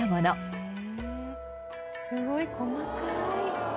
羽田：すごい、細かい！